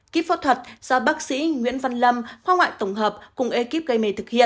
kíp phẫu thuật do bác sĩ nguyễn văn lâm khoa ngoại tổng hợp cùng ekip gây mê thực hiện